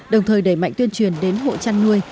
đồng thời đẩy mạnh tuyên truyền đến hộ chăn nuôi